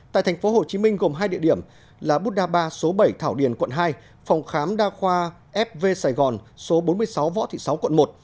tại thành phố hồ chí minh gồm hai địa điểm là bút đa ba số bảy thảo điền quận hai phòng khám đa khoa fv sài gòn số bốn mươi sáu võ thị sáu quận một